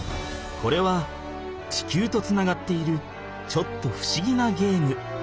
これは地球とつながっているちょっとふしぎなゲーム。